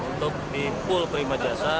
untuk di pool prima jasa